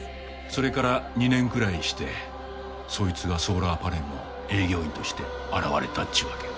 それから２年くらいしてそいつがソーラーパネルの営業員として現れたっちゅうわけや。